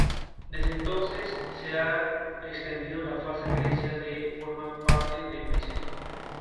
Desde entonces se ha extendido la falsa creencia de que forma parte de Princeton.